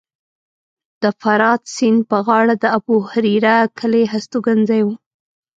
د فرات سیند په غاړه د ابوهریره کلی هستوګنځی و